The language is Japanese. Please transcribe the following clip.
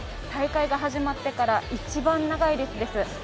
大会が始まってから一番長い列です。